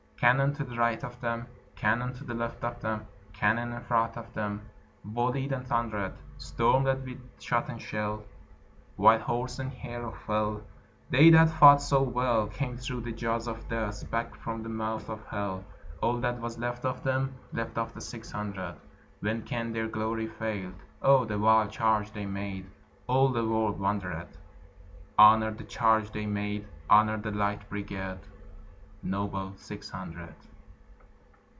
Cannon to the right of them, Cannon to the left of them, Cannon in front of them Volleyed and thundered; Stormed at with shot and shell, While horse and hero fell, They that fought so well, Came thro' the jaws of Death, Back from the mouth of Hell, All that was left of them, Left of the six hundred. When can their glory fade? Oh, the wild charge they made! All the world wondered. Honor the charge they made! Honor the Light Brigade, Noble Six Hundred!